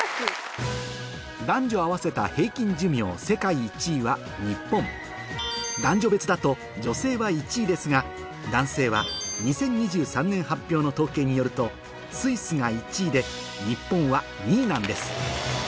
男女合わせた平均寿命世界１位は日本男女別だと女性は１位ですが男性は２０２３年発表の統計によるとスイスが１位で日本は２位なんです